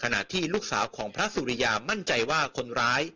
ขณะที่ลูกสาวของพระสุริยามั่นใจว่าคนร้าย